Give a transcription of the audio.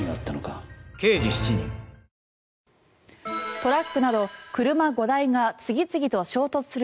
トラックなど車５台が次々と衝突する